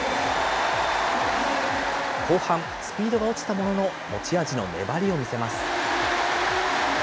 後半、スピードが落ちたものの、持ち味の粘りを見せます。